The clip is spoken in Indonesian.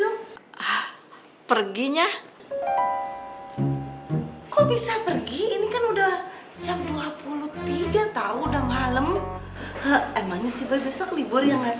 terima kasih ya